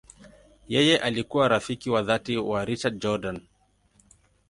Yeye alikuwa rafiki wa dhati wa Richard Jordan.